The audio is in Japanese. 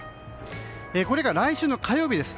これが来週の火曜日です。